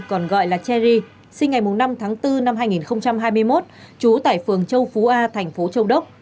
còn gọi là cherry sinh ngày năm tháng bốn năm hai nghìn hai mươi một trú tại phường châu phú a thành phố châu đốc